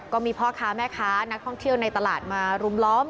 ก็มีพ่อค้าแม่ค้านักท่องเที่ยวในตลาดมารุมล้อม